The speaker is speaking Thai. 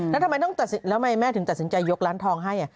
แล้วทำไมต้องตัดสินแล้วทำไมแม่ถึงตัดสินใจยกร้านทองให้